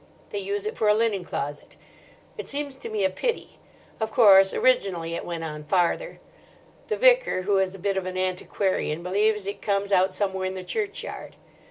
They use it for a linen closet. It seems to me a pity. Of course originally it went on farther. The vicar, who is a bit of an antiquarian, believes it comes out somewhere in the churchyard.